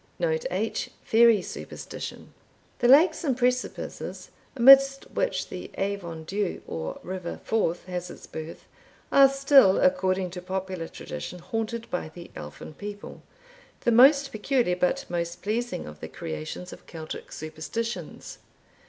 Note H. Fairy Superstition. The lakes and precipices amidst which the Avon Dhu, or River Forth, has its birth, are still, according to popular tradition, haunted by the Elfin people, the most peculiar, but most pleasing, of the creations of Celtic superstitions.